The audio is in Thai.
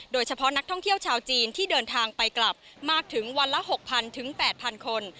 โดยเฉพาะนักท่องเที่ยวชาวจีนที่เดินทางไปกลับมากถึงวันละ๖๐๐๘๐๐คน